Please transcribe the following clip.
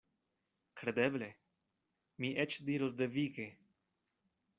Kredeble; mi eĉ diros devige.